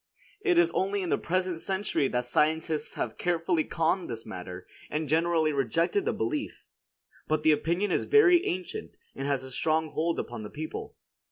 It is only in the present century that scientists have carefully conned this matter, and generally rejected the belief. But the opinion is very ancient, and has a strong hold upon the people.